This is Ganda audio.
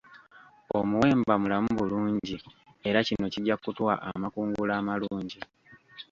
Omuwemba mulamu bulungi era kino kijja kutuwa amakungula amalungi.